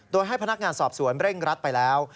โดยให้พนักงานสอบสวนเร่งรัดไปแล้ว